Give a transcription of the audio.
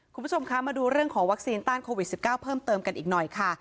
คุณผู้ชมคะมาดูเรื่องของวัคซีนต้านโควิด๑๙เพิ่มเติมกันอีกหน่อยค่ะ